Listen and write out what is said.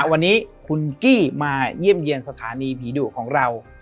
วันนี้คุณกี้มาเยี่ยมเยี่ยมสถานีผีดุของเรา